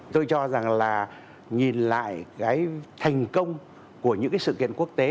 tôi cho rằng là nhìn lại cái thành công của những cái sự kiện quốc tế